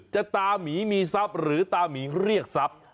ตามีมีทรัพย์หรือตามีเรียกทรัพย์